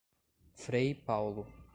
Frei Paulo